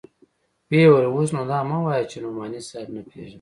ويې ويل اوس نو دا مه وايه چې نعماني صاحب نه پېژنم.